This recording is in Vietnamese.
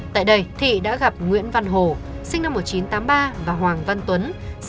tại đây thị đã gặp nguyễn văn hồ và hoàng văn tuấn